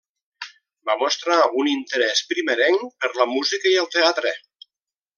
Va mostrar un interès primerenc per la música i el teatre.